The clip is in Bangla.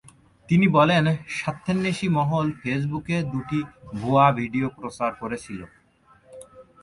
তিনি বলেন, স্বার্থান্বেষী মহল ফেসবুকে দুটি ভুয়া ভিডিও প্রচার করেছিল।